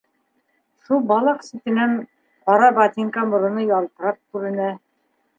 Шул балаҡ ситенән ҡара ботинка мороно ялтырап күренә.